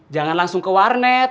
jangan langsung ke warnet